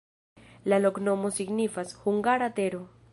La loknomo signifas: hungara-tero.